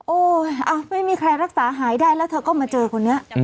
ไม่มีใครรักษาหายได้แล้วเธอก็มาเจอคนนี้